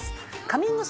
カミング